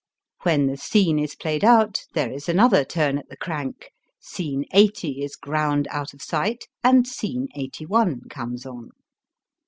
When the scene is played out there is another turn at the crank, scene eighty is ground out of sight, and scene eighty one comes on.